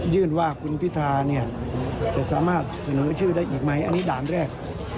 ว่าคุณพิธาเนี่ยจะสามารถเสนอชื่อได้อีกไหมอันนี้ด่านแรก